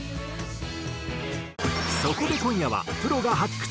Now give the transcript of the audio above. そこで今夜はプロが発掘